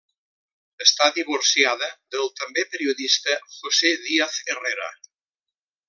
Està divorciada del també periodista José Díaz Herrera.